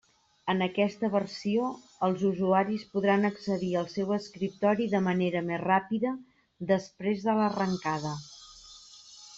En aquesta versió els usuaris podran accedir al seu escriptori de manera més ràpida després de l'arrencada.